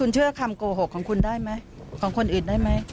คุณเชื่อคำโกหกของคนอื่นได้ไหม